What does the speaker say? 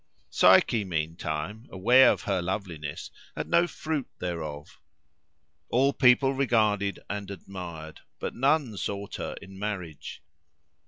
Psyche meantime, aware of her loveliness, had no fruit thereof. All people regarded and admired, but none sought her in marriage.